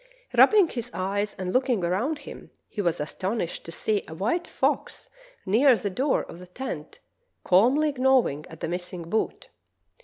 Rubbing his eyes and looking around him, he was astonished to see a white fox near the door of the tent calmly gnawing at the missing boot.